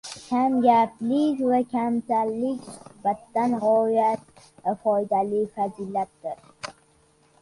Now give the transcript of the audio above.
Kamgaplik va kamtarinlik suhbatda g‘oyat foydali fazilatdir..